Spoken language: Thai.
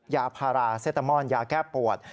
ยาพาราเซตามอนยาแก้ปวด